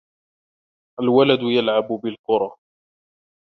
الْوَلَدُ يَلْعَبُ بِالْكُرَةِ.